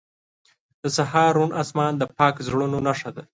• د سهار روڼ آسمان د پاک زړونو نښه ده.